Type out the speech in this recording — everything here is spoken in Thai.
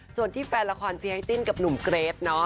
ส่วนที่แฟนละครเจ๊ไอติ้นกับหนุ่มเกรทเนอะ